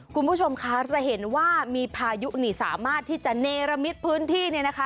คุณผู้ชมค่ะจะเห็นว่ามีพายุสามารถที่จะเนรมิตพื้นที่